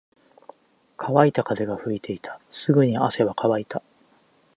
乾いた風が吹いていた。すぐに汗は乾いた。